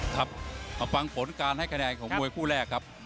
ครับเอาฟังผลการให้คะแนนของมวยคู่แรกครับ